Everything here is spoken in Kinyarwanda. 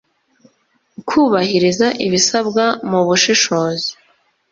kubahiriza ibisabwa mu bushishozi